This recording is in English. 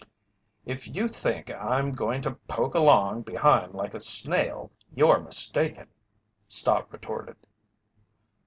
"If you think I'm going to poke along behind like a snail, you're mistaken!" Stott retorted.